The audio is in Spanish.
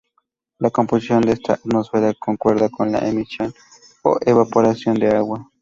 La composición de esta atmósfera concuerda con la emisión o evaporación de agua.